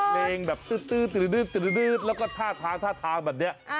เล่นแบบตื๊ดแล้วก็ท่าทางแบบนี้